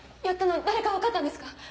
やったの誰か分かったんですか